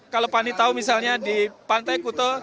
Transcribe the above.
kalau pandi tahu misalnya di pantai kute